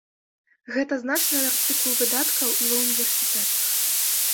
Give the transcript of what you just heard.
Гэта значны артыкул выдаткаў і ва ўніверсітэтах.